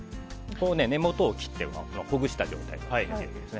根元を切ってほぐした状態です。